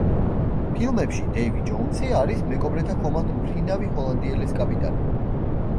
ფილმებში დეივი ჯოუნსი არის მეკობრეთა ხომალდ „მფრინავი ჰოლანდიელის“ კაპიტანი.